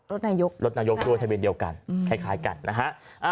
รถนายกรถนายกด้วยทะเบียนเดียวกันคล้ายกันนะฮะ